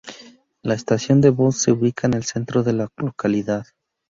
La estación de Voss se ubica en el centro de la localidad.